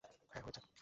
হ্যাঁ, হয়েছে।